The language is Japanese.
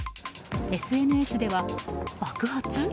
ＳＮＳでは、爆発？